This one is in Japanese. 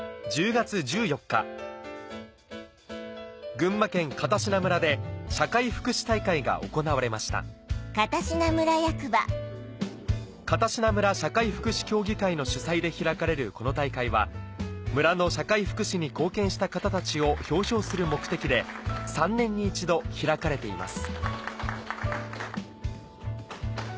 群馬県片品村で社会福祉大会が行われました片品村社会福祉協議会の主催で開かれるこの大会は村の社会福祉に貢献した方たちを表彰する目的で３年に１度開かれています